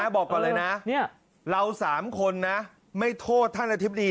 บอกก่อนเลยนะเรา๓คนนะไม่โทษท่านอธิบดี